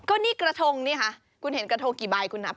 ก็นี่กระทงนี่ค่ะคุณเห็นกระทงกี่ใบคุณนับ